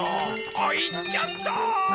あっいっちゃった！